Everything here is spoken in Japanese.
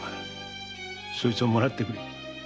そいつをもらってくれ。